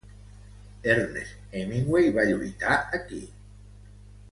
Ernest Hemingway va lluitar aquí.